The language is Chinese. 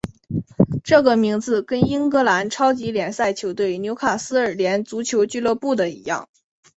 这个名字跟英格兰超级联赛球队纽卡斯尔联足球俱乐部的一样。